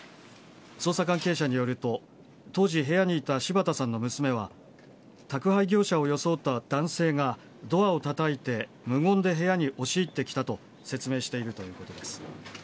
捜査関係者によると、当時、部屋にいた柴田さんの娘は、宅配業者を装った男性が、ドアをたたいて無言で部屋に押し入ってきたと説明しているということです。